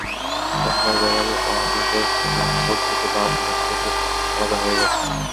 সোমবার বেলাল আহমদের কনুইর ওপর থেকে বাম হাত কেটে আলাদা হয়ে গেছে।